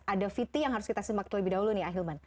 ada viti yang harus kita semak lebih dahulu nih ahilman